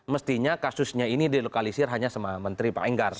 mestinya kasusnya ini dilokalisir hanya sama menteri pak enggar